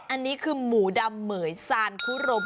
อันนี้คือหมูดำเหมือยซานคุรม